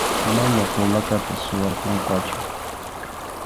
Mana polacata suwarqunqachu.